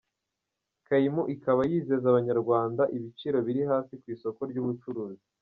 Kaymu ikaba yizeza abanyarwanda ibiciro biri hasi ku isoko ryubucuruzi.